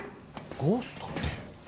ゴーストって？